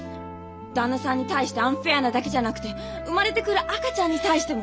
旦那さんに対してアンフェアなだけじゃなくて生まれてくる赤ちゃんに対しても。